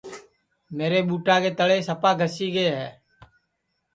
میرے ٻوٹا کے تݪے سپا گھسی گے ہے